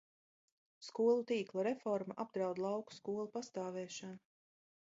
Skolu tīkla reforma apdraud lauku skolu pastāvēšanu.